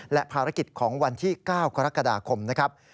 และภารกิจของวันที่๙กรกฎาคมนะครับ